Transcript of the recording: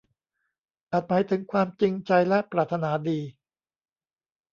อาจหมายถึงความจริงใจและปรารถนาดี